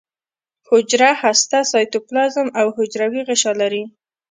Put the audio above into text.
حجره هسته سایتوپلازم او حجروي غشا لري